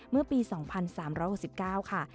เมื่อปี๒๓๖๙ค่ะ